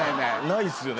ないですよね。